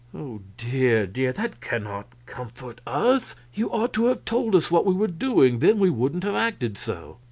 "Oh, dear, dear, that cannot comfort us. You ought to have told us what we were doing, then we wouldn't have acted so."